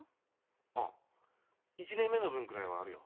ああ１年目の分ぐらいはあるよ。